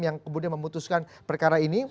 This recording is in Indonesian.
yang kemudian memutuskan perkara ini